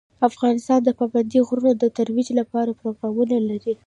افغانستان د پابندی غرونه د ترویج لپاره پروګرامونه لري.